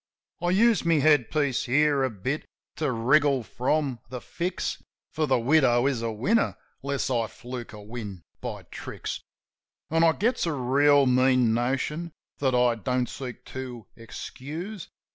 I use my head piece here a bit to wriggle from the fix ; For the widow is a winner 'less I fluke a win by tricks. An' I gets a reel mean notion (that I don't seek to excuse).